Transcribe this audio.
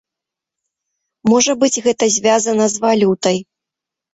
Можа быць гэта звязана з валютай.